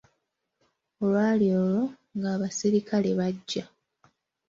Olwaali olwo, nga abasirikale bajja.